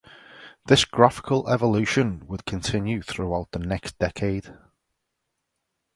This graphical evolution would continue throughout the next decade.